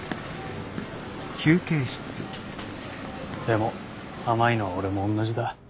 でも甘いのは俺も同じだ。